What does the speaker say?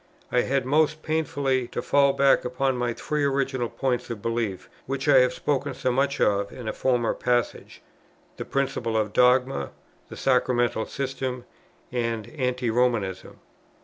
I had, most painfully, to fall back upon my three original points of belief, which I have spoken so much of in a former passage, the principle of dogma, the sacramental system, and anti Romanism.